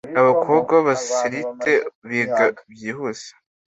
abakobwa b'abaselite biga byihuse